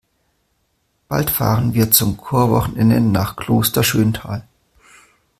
Bald fahren wir zum Chorwochenende nach Kloster Schöntal.